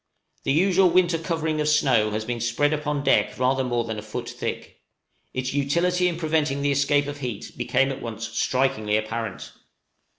The usual winter covering of snow has been spread upon deck rather more than a foot thick. Its utility in preventing the escape of heat became at once strikingly apparent.